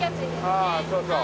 あっそうそう。